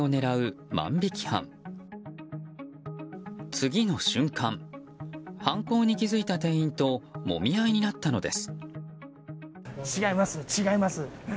次の瞬間、犯行に気付いた店員ともみ合いになったのです。